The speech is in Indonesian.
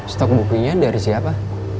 stok bukunya dari siapa